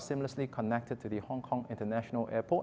di satu sisi kita tidak terlalu terhubung dengan airport internasional hongkong